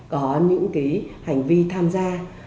có những hành vi tham gia